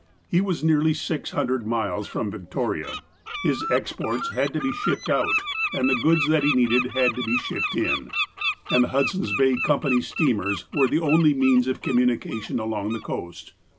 He was nearly six hundred miles from Victoria. His exports had to be shipi^ed out, and the goods that he needed had to be shipx3ed in. And the Hudson's Bay Company's steamers were the only means of communication along the coast.